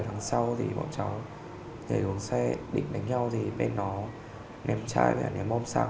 tháng sau thì bọn cháu nhảy xuống xe định đánh nhau thì bên nó ném chai và ném bom xăng